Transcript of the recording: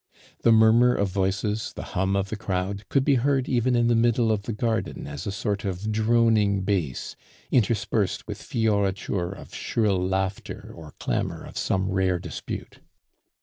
The murmur of voices, the hum of the crowd, could be heard even in the middle of the garden as a sort of droning bass, interspersed with fioriture of shrill laughter or clamor of some rare dispute.